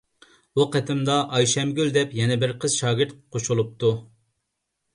بۇ قېتىمدا ئايشەمگۈل دەپ يەنە بىر قىز شاگىرت قوشۇلۇپتۇ.